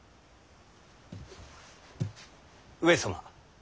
上様。